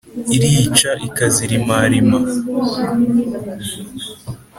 Irica ikazirimarima.